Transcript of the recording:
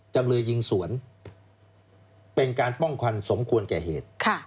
จำเลยยิงสวนเป็นการป้องควันสมควรแก่เหตุ